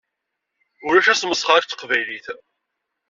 Ulac asmesxeṛ akked Teqbaylit!